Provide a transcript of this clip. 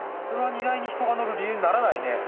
それは荷台に人が乗る理由にならないね。